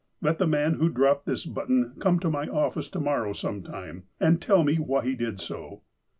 Let the man who dropped this button come to my office to morrow some time, and tell me why he did so."